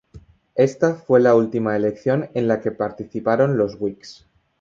Esta fue la última elección en la que participaron los Whigs.